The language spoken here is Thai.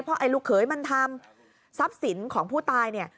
เพราะไอ้ลูกเขยมันทำทรัพย์สินของผู้ตายเนี่ย